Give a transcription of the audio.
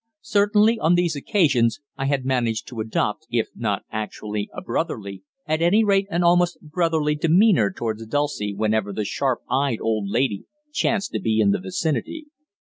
Certainly on these occasions I had managed to adopt, if not actually a brotherly, at any rate an almost brotherly demeanour towards Dulcie whenever the sharp eyed old lady chanced to be in the vicinity.